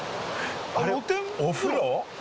お風呂？